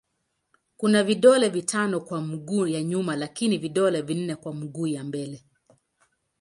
Kuna vidole vitano kwa miguu ya nyuma lakini vidole vinne kwa miguu ya mbele.